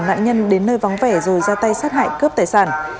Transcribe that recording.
nạn nhân đến nơi vắng vẻ rồi ra tay sát hại cướp tài sản